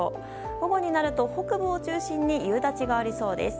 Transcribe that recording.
午後になると北部を中心に夕立がありそうです。